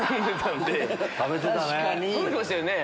食べてたね。